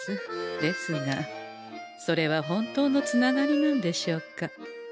ですがそれは本当のつながりなんでしょうか？